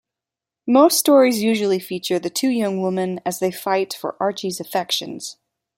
Most stories usually feature the two young women as they fight for Archie's affections.